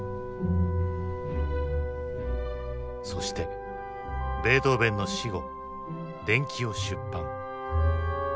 そしてベートーヴェンの死後伝記を出版。